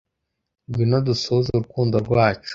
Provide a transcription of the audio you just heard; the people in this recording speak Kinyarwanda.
Ngwino dusohoze urukundo rwacu